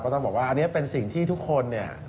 ต้องบอกว่าอันนี้เป็นสิ่งที่ทุกคนเนี่ย